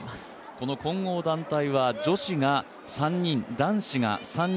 この混合団体は女子が３人男子が３人。